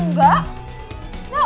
tolong kasih aku daddy